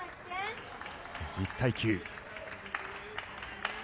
１０対９。